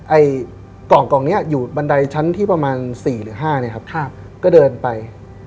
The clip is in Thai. ไอ้กล่องกล่องนี้อยู่บันไดชั้นที่ประมาณ๔หรือ๕เนี่ยครับก็เดินไป